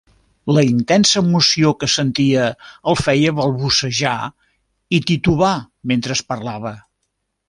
La intensa emoció que sentia el feia balbucejar i titubar mentre parlava.